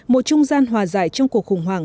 một trung gian hòa giải trong cuộc khủng hoảng